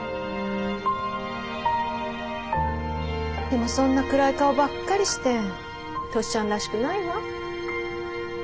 でもそんな暗い顔ばっかりしてトシちゃんらしくないわ。